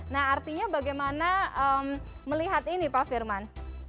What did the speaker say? nah artinya bagaimana melihat ini pak firman